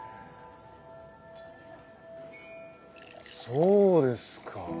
そうですか。